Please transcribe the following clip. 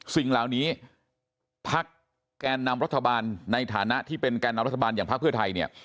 สิ่งเหล่านี้พักแกนนำรัฐบาลในฐานะที่เป็นแก่นำรัฐบาลอย่างพักเพื่อไทยเนี่ย